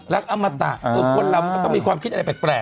รักอมตะตัวน้ำก็ต้องมีความคิดอะไรแปลก